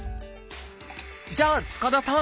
じゃあ塚田さん